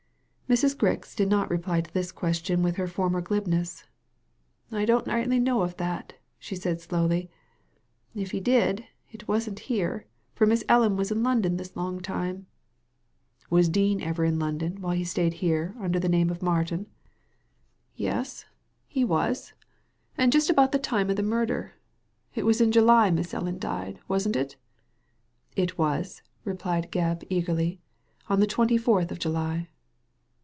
Mrs. Grix did not reply to this question with her former glibness. " I don't rightly know of that," she said slowly. "If he did, it wasn't here, for Miss Ellen was in London this long time." Was Dean ever in London while he stayed here under the name of Martin ?" Digitized by Google 222 THE LADY FROM NOWHERE Yes, he was. And just about the time of the murder. It was in July Miss Ellen died, wasn't it ?" "It was/* replied Gebb, eagerly, on the twenty fourth of July."